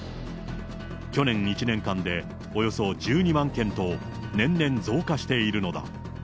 去年１年間でおよそ１２万件と、年々増加しているのだ。